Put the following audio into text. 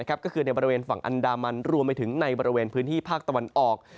ก็คือในบริเวณฝั่งอันดามันรวมไปถึงในบริเวณพื้นที่ภาคตะวันออก